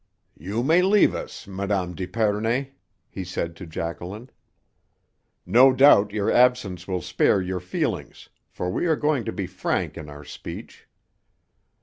"You may leave us, Mme. d'Epernay," he said to Jacqueline. "No doubt your absence will spare your feelings, for we are going to be frank in our speech."